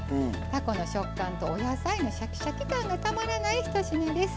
たこの食感とお野菜のシャキシャキ感がたまらない１品です。